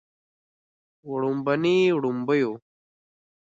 وړومبني وړومبيو